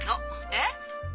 えっ？